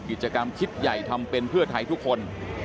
กิจกรรมคิดใหญ่ทำเป็นเพื่อไทยทุกคน